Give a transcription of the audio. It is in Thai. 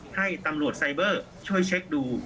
ให้ตำรวจไซเบอร์ช่วยเช็คดู